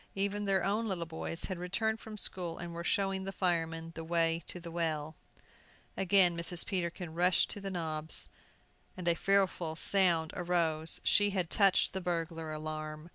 Even their own little boys had returned from school, and were showing the firemen the way to the well. Again Mrs. Peterkin rushed to the knobs, and a fearful sound arose. She had touched the burglar alarm!